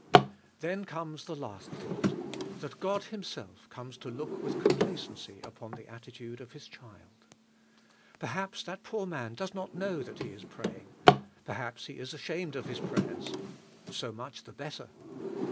Then comes the last thought, that God Himself comes to look with complacency upon the attitude 164 THE SO URGE OF PO WER IN PR A YER of His child. Perhaps that poor man does not know that he is praying; perhaps he is ashamed of his prayers. So much the better.